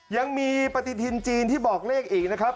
ยังมีปฏิทินจีนที่บอกเลขอีกนะครับ